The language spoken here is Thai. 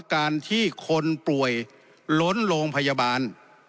การที่คนป่วยล้นโรงพยาบาล